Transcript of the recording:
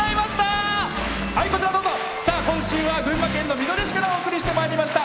今週は群馬県みどり市からお送りしてまいりました。